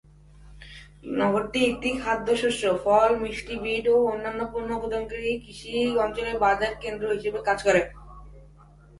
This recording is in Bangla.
নগরীটি একটি খাদ্যশস্য, ফল, মিষ্টি বিট ও অন্যান্য পণ্য উৎপাদনকারী কৃষি অঞ্চলের বাজার কেন্দ্র হিসেবে কাজ করে।